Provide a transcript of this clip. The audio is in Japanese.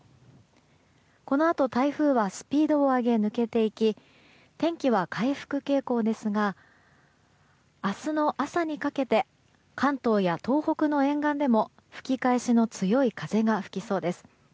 このあと台風はスピードを上げ抜けていき天気は回復傾向ですが明日の朝にかけて関東や東北の沿岸でも吹き返しの強い風が吹きそうです。